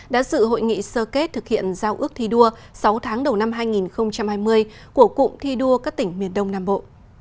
đã dự hội nghị sơ kết thực hiện giao ước thi đua sáu tháng đầu năm hai nghìn hai mươi của cụm thi đua các tỉnh miền đông nam bộ